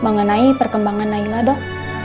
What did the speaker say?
mengenai perkembangan naila dok